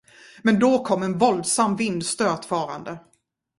Men då kom en våldsam vindstöt farande.